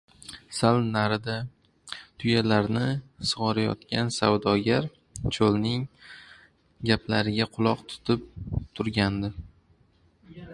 Sal narida tuyalarini sugʻorayotgan savdogar cholning gaplariga quloq tutib turgandi.